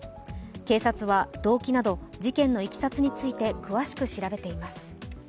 警察は動機など、事件のいきさつについて詳しく調べています。